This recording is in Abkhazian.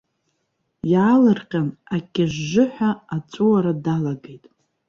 Иаалырҟьан акьыжыҳәа аҵәуара далагеит.